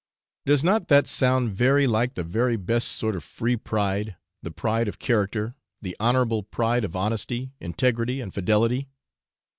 Does not that sound very like the very best sort of free pride, the pride of character, the honourable pride of honesty, integrity, and fidelity?